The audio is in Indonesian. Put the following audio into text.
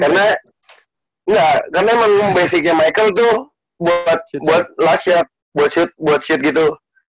karena emang basicnya michael tuh buat last shot buat shoot gitu